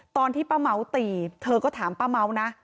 ตอนที่ป้าเม้าตีเธอก็ถามป้าเม้านะ